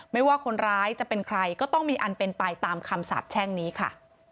ว่าคนร้ายจะเป็นใครก็ต้องมีอันเป็นไปตามคำสาบแช่งนี้ค่ะ